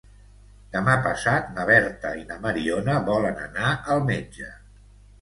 Demà passat na Berta i na Mariona volen anar al metge.